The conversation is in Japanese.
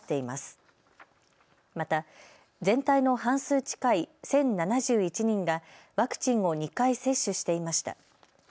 また全体の半数近い、１０７１人がワクチンを２回接種していました。